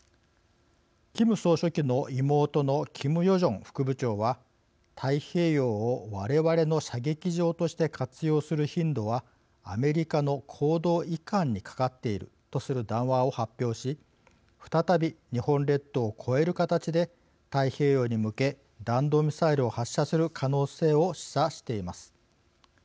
キム総書記の妹のキム・ヨジョン副部長は太平洋を我々の射撃場として活用する頻度はアメリカの行動いかんにかかっているとする談話を発表し再び日本列島を越える形で太平洋に向け弾道ミサイルを発射する可能性を示唆しています。